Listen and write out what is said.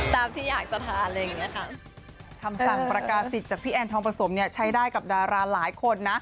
ทำศัลประกาศิษฐ์จากพี่แอนทองประสงค์เนี้ยใช้ได้กับดาราหลายคนนะ